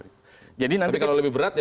tapi kalau lebih berat